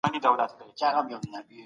هغوی د خپلو لوښو په مینځلو بوخت دي.